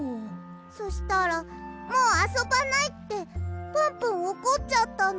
そしたら「もうあそばない」ってプンプンおこっちゃったの。